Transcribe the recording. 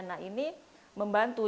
nah ini membantu